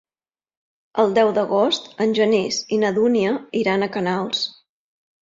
El deu d'agost en Genís i na Dúnia iran a Canals.